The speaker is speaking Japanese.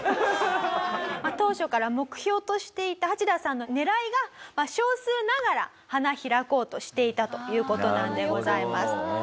当初から目標としていたハチダさんの狙いが少数ながら花開こうとしていたという事なんでございます。